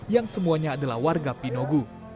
yang semuanya adalah warga pinogu